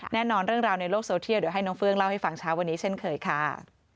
แน่นอนเรื่องราวในโลกโซเทียลเดี๋ยวให้น้องเฟื้องเล่าให้ฟังเช้าวันนี้เช่นเคยค่ะ